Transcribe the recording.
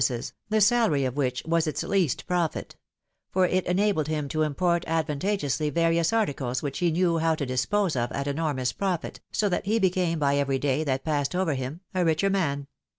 ces, the salary of which was its least profit ; for it enabled him to import advantageously various articles which he knew how to dispose of at enormous profit, so that he became by every day that passed over him a richer man.